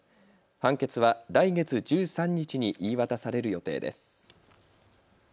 判決は来月１３日に言い渡される予定です。